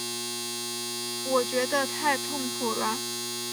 我觉得太痛苦了